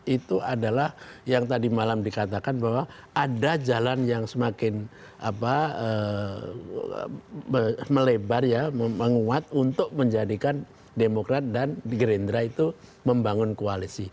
itu adalah yang tadi malam dikatakan bahwa ada jalan yang semakin melebar ya menguat untuk menjadikan demokrat dan gerindra itu membangun koalisi